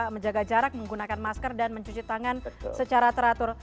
menjaga jarak menggunakan masker dan mencuci tangan secara teratur